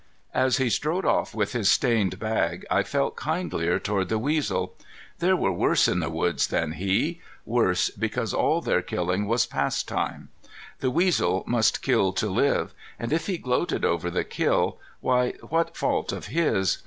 As he strode off with his stained bag I felt kindlier toward the weasel. There were worse in the woods than he,—worse, because all of their killing was pastime. The weasel must kill to live, and if he gloated over the kill, why, what fault of his?